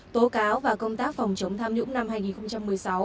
tố cáo và công tác phòng chống tham nhũng năm hai nghìn một mươi sáu